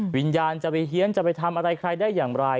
วิญญาณจะไปเฮียนจะไปทำอะไรใครได้อย่างไร